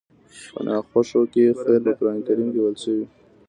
په ناخوښو کې خير په قرآن کريم کې ويل شوي.